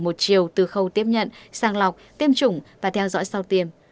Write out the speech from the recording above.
một chiều từ khâu tiếp nhận sang lọc tiêm chủng và theo dõi sau tiêm